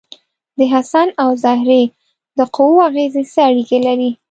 د حسن او زهرې د قوو اغیزې څه اړیکې لري؟